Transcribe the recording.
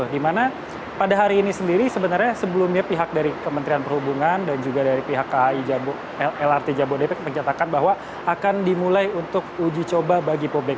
di mana pada hari ini sendiri sebenarnya sebelumnya pihak dari kementerian perhubungan dan juga dari pihak kai lrt jabodebek mencatakan bahwa akan dimulai untuk uji coba bagi publik